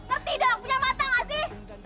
ngerti dong punya mata gak sih